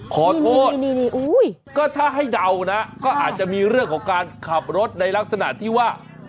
ขอโทษก็ถ้าให้เดานะก็อาจจะมีเรื่องของการขับรถในลักษณะที่ว่า